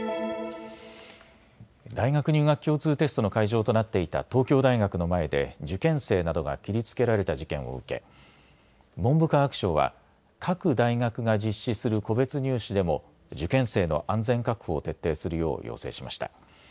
大学入学共通テストの会場となっていた東京大学の前で受験生などが切りつけられた事件を受け文部科学省は各大学が実施する個別入試でも受験生の安全確保を徹底するよう要請しました。